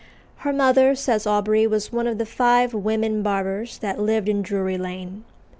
Her mother, says Aubrey, was one of the five women barbers that lived in Drury Lane.